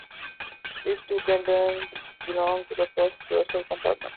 These two tendons belong to the first dorsal compartment.